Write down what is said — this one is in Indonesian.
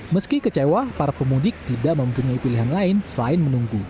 meski kecewa para pemudik tidak mempunyai pilihan lain selain menunggu